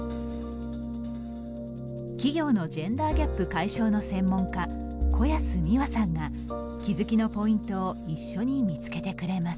企業のジェンダーギャップ解消の専門家小安美和さんが気付きのポイントを一緒に見つけてくれます。